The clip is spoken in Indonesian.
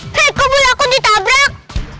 hei kok boleh aku ditabrak